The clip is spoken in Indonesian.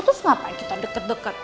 terus ngapain kita deket deket